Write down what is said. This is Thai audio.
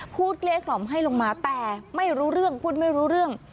เกลี้ยกล่อมให้ลงมาแต่ไม่รู้เรื่องพูดไม่รู้เรื่อง